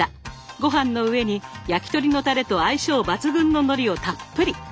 ごはんの上に焼き鳥のたれと相性抜群ののりをたっぷり。